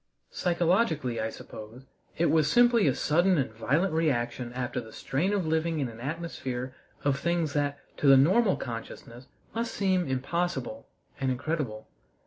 Psychologically, I suppose, it was simply a sudden and violent reaction after the strain of living in an atmosphere of things that to the normal consciousness must seem impossible and incredible.